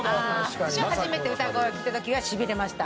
私は初めて歌声を聴いた時はしびれました。